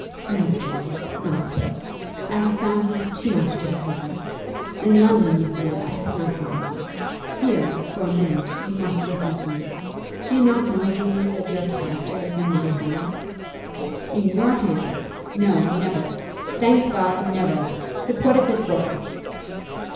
"No, Julie; not so. I have found you with too much difficulty. In London, you see, I could not find you. Here, for a minute, you must listen to me. Do you not know, Julie, that your character is in my hands?" "In your hands? No; never; thank God, never. But what if it were?"